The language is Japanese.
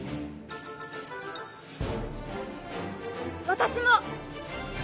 私も。